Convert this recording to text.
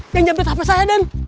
yang jamret hape saya den